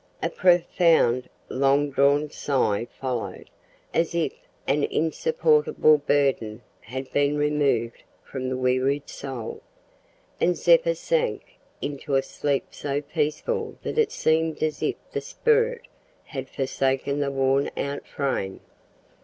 A profound, long drawn sigh followed, as if an insupportable burden had been removed from the wearied soul, and Zeppa sank into a sleep so peaceful that it seemed as if the spirit had forsaken the worn out frame.